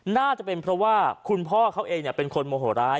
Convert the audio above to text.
น่าจะเป็นเพราะว่าคุณพ่อเขาเองเป็นคนโมโหร้าย